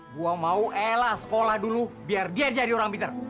gua mau ella sekolah dulu biar dia jadi orang pinter